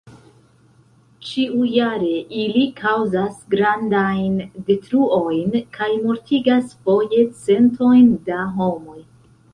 Ĉiujare ili kaŭzas grandajn detruojn kaj mortigas foje centojn da homoj.